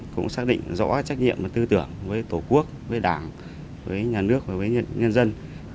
cũng xác định rõ trách nhiệm và tư tưởng với tổ quốc với đảng với nhà nước và với nhân dân